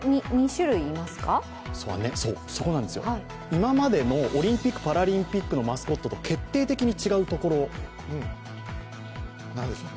今までのオリンピック・パラリンピックと決定的に違うところ。